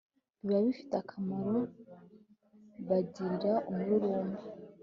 bibafitiye akamaro bagirira umururumba